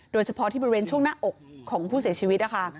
โดยเฉพาะที่บริเวณช่วงหน้าอกของผู้เสียชีวิตนะคะ